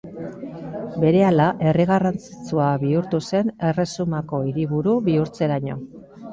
Berehala herri garrantzitsua bihurtu zen, erresumako hiriburu bihurtzeraino.